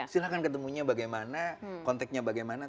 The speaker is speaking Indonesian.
silahkan ketemunya bagaimana konteknya bagaimana